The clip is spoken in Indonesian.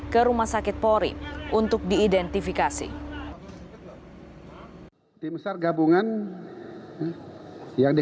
ke rumah sakit polri untuk diidentifikasi